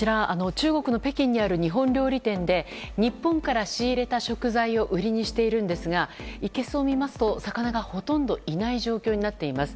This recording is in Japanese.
中国の北京にある日本料理店で日本から仕入れた食材を売りにしているんですがいけすを見ますと魚がほとんどいない状況になっています。